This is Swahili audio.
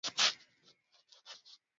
Idadi ya wanyama wanaoathiriwa